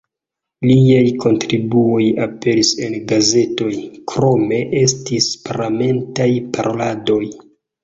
Liaj kontribuoj aperis en gazetoj, krome estis parlamentaj paroladoj.